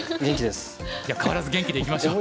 じゃあ変わらず元気でいきましょう！